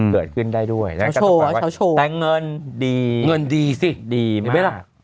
เกิดขึ้นได้ด้วยแต่เงินดีดีมาก